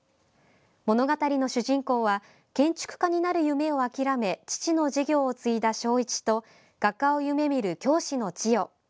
物語の主人公は建築家になる夢を諦め父の事業を継いだ正一と画家を夢みる教師の千代。